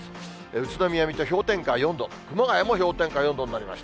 宇都宮、水戸氷点下４度、熊谷も氷点下４度になりました。